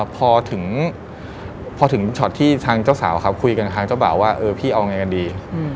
พอถึงพอถึงช็อตที่ทางเจ้าสาวครับคุยกับทางเจ้าบ่าวว่าเออพี่เอาไงกันดี